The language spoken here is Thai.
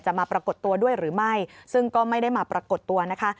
มาปรากฏตัวด้วยหรือไม่ซึ่งก็ไม่ได้มาปรากฏตัวนะคะ